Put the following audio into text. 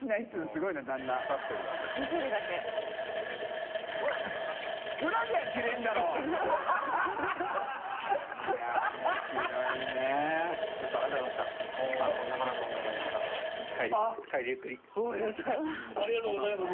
ごめんなさいありがとうございます。